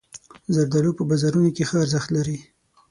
زردالو په بازارونو کې ښه ارزښت لري.